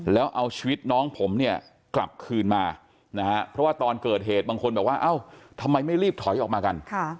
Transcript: แล้วเอาชีวิตน้องผมเนี่ยกลับคืนมานะฮะเพราะว่าตอนเกิดเหตุบางคนบอกว่าเอ้าทำไมไม่รีบถอยออกมากัน